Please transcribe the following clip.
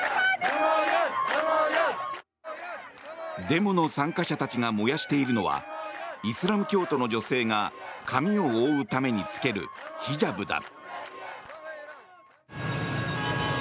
デモの参加者たちが燃やしているのはイスラム教徒の女性が髪を覆うために着けるヒジャブだ。